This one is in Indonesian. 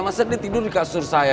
masa dia tidur di kasur saya